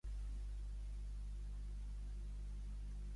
Esmeralda es salva i comença a enamorar-se de Phoebus.